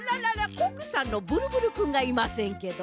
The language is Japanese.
コックさんのブルブルくんがいませんけど？